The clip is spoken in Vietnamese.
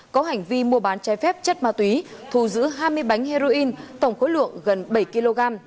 có hành vi mua bán trái phép chất ma túy thù giữ hai mươi bánh heroin tổng khối lượng gần bảy kg